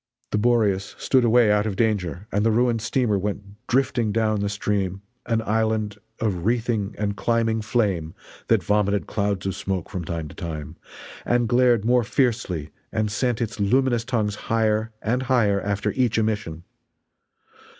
The Boreas stood away out of danger, and the ruined steamer went drifting down the stream an island of wreathing and climbing flame that vomited clouds of smoke from time to time, and glared more fiercely and sent its luminous tongues higher and higher after each emission.